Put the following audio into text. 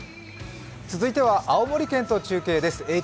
続いては青森県と中継です。